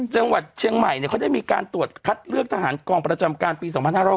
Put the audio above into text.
จังหวัดเชียงใหม่เขาได้มีการตรวจคัดเลือกทหารกองประจำการปี๒๕๖๒